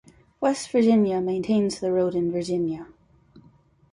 West Virginia maintains the road in Virginia.